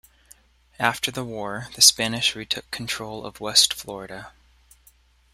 After the war, the Spanish retook control of West Florida.